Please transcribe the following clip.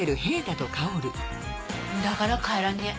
んだから帰らねえ。